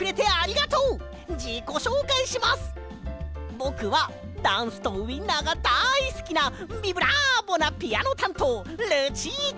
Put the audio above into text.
ぼくはダンスとウインナーがだいすきなビブラーボなピアノたんとうルチータ！